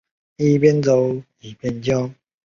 乙酰丙酮铜可由乙酰丙酮和氢氧化铜反应得到。